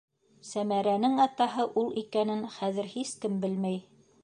Сәмәрәнең атаһы ул икәнен хәҙер һис кем белмәй.